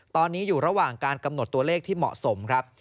ตอนนี้อยู่ระหว่างการกำหนดตัวเลขที่เหมาะสมครับ